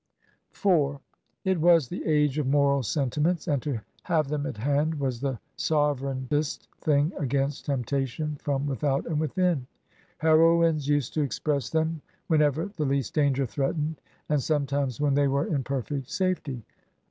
IV It was the age of moral sentiments, and to have them at hand was the sovereignest thing against temptation from without and within. Heroines used to e2q)ress them whenever the least danger threatened, and some times when they were in perfect safety.